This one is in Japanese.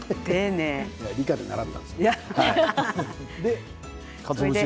理科で習ったんです。